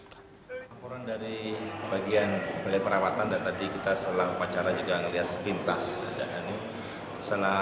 kepala rutan dari bagian beli perawatan dan tadi kita setelah pacaran juga melihat sekintas